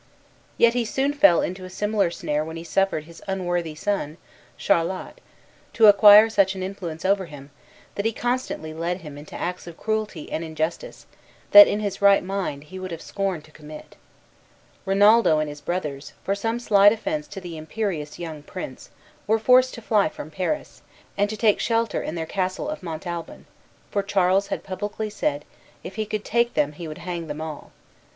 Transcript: Yet he soon fell into a similar snare when he suffered his unworthy son, Charlot, to acquire such an influence over him, that he constantly led him into acts of cruelty and injustice that in his right mind he would have scorned to commit. Rinaldo and his brothers, for some slight offence to the imperious young prince, were forced to fly from Paris, and to take shelter in their castle of Montalban; for Charles had publicly said, if he could take them he would hang them all.